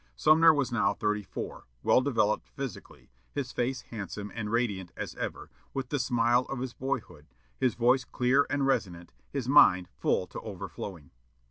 Sumner was now thirty four, well developed physically, his face handsome and radiant as ever, with the smile of his boyhood, his voice clear and resonant, his mind full to overflowing.